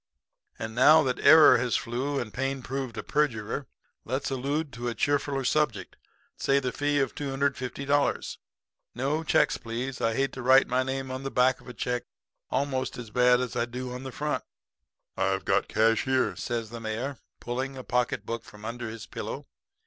And now that error has flew and pain proved a perjurer, let's allude to a cheerfuller subject say the fee of $250. No checks, please, I hate to write my name on the back of a check almost as bad as I do on the front.' "'I've got the cash here,' says the mayor, pulling a pocket book from under his pillow.